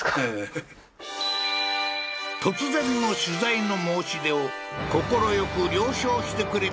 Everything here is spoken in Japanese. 突然の取材の申し出を快く了承してくれたこの人が亡き父から